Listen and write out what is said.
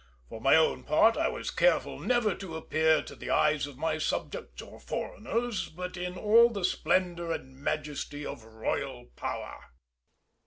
For my own part, I was careful never to appear to the eyes of my subjects or foreigners but in all the splendour and majesty of royal power.